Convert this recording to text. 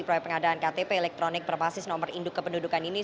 proyek pengadaan ktp elektronik berbasis nomor induk kependudukan ini